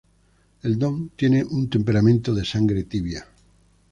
El Don tiene un temperamento de Sangre Tibia.